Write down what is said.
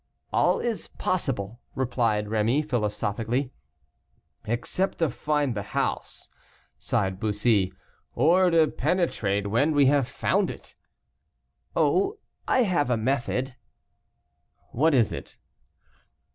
"All is possible," replied Rémy, philosophically. "Except to find the house," sighed Bussy. "Or to penetrate when we have found it." "Oh! I have a method." "What is it?"